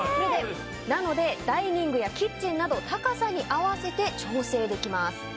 なのでダイニングやキッチンなど高さに合わせて調整できます。